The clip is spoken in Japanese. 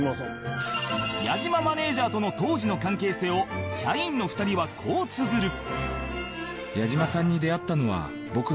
矢島マネジャーとの当時の関係性をキャインの２人はこう綴る